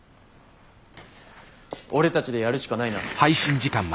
俺たちでやるしかないな。